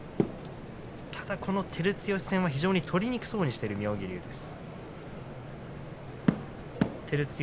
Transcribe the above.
ただ照強戦は非常に取りにくそうにしている妙義龍です。